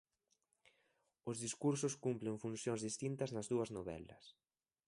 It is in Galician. Os discursos cumpren funcións distintas nas dúas novelas.